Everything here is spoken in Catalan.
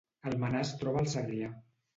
Almenar es troba al Segrià